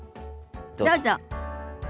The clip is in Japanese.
どうぞ。